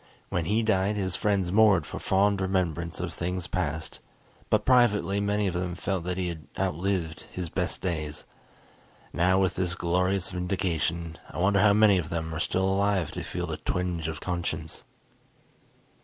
When he died his friends mourned for fond remembrance of things past, but privately many of them felt that he had outlived his best days. Now with this glorious vindication, I wonder how many of them are still alive to feel the twinge of conscience....